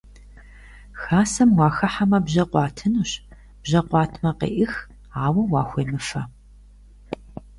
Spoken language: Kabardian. Хасэм уахыхьэмэ, бжьэ къуатынущ; бжьэ къуатмэ, къеӏых, ауэ уахуемыфэ.